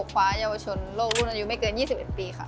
คว้าเยาวชนโลกรุ่นอายุไม่เกิน๒๑ปีค่ะ